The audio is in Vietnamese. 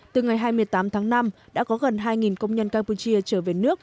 từ ngày hai mươi tám tháng năm đã có gần hai công nhân campuchia trở về nước